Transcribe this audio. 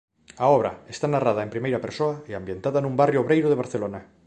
A obra está narrada en primeira persoa e ambientada nun barrio obreiro de Barcelona.